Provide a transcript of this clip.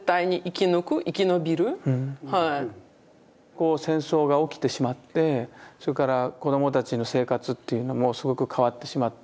こう戦争が起きてしまってそれから子どもたちの生活というのもすごく変わってしまったと思うんですね。